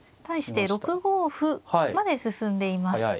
対して６五歩まで進んでいます。